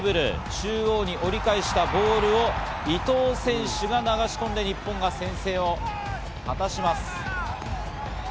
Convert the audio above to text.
中央に折り返したボールを伊東選手が流し込んで日本が先制を果たします。